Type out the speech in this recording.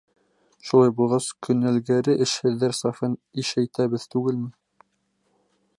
Шулай булғас, көнэлгәре эшһеҙҙәр сафын ишәйтәбеҙ түгелме?